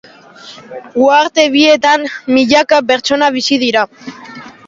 Uharte bietan milaka pertsona bizi dira.